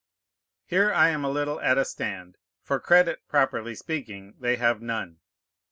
Here I am a little at a stand; for credit, properly speaking, they have none.